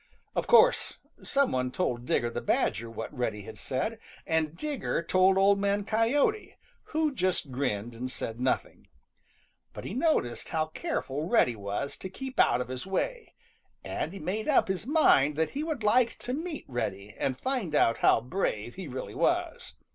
Of course, some one told Digger the Badger what Reddy had said, and Digger told Old Man Coyote, who just grinned and said nothing. But he noticed how careful Reddy was to keep out of his way, and he made up his mind that he would like to meet Reddy and find out how brave he really was.